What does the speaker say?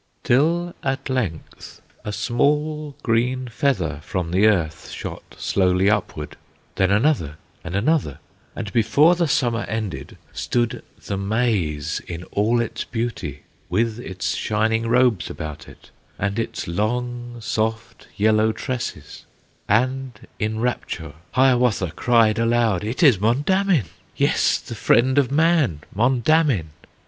Till at length a small green feather From the earth shot slowly upward, Then another and another, And before the Summer ended Stood the maize in all its beauty, With its shining robes about it, And its long, soft, yellow tresses; And in rapture Hiawatha Cried aloud, "It is Mondamin! Yes, the friend of man, Mondamin!"